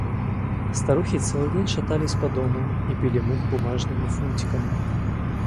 Старухи целый день шатались по дому и били мух бумажными фунтиками.